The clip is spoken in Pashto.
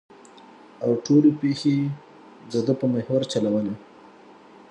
او ټولې پېښې د ده په محور چورلي.